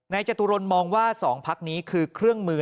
จตุรนมองว่า๒พักนี้คือเครื่องมือ